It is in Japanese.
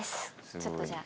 ちょっとじゃあ。